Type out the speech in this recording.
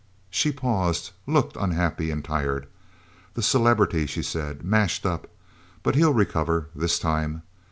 She paused, looked unhappy and tired. "The celebrity," she said. "Mashed up. But he'll recover this time.